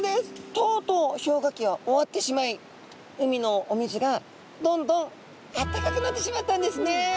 とうとう氷河期は終わってしまい海のお水がどんどんあったかくなってしまったんですね。